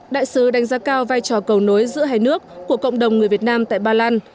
đại sứ đánh giá cao vai trò cầu nối giữa hai nước của cộng đồng người việt nam tại ba lan